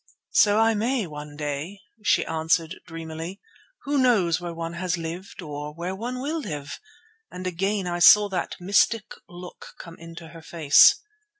"So I may one day," she answered dreamily. "Who knows where one has lived, or where one will live!" And again I saw that mystic look come into her face.